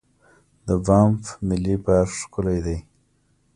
د بانف ملي پارک ښکلی دی.